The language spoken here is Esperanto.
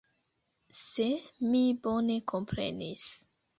Se mi bone komprenis.